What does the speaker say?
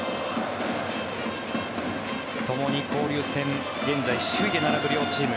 ともに交流戦現在首位で並ぶ両チーム。